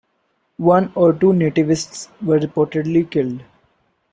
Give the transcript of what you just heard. One or two nativists were reportedly killed.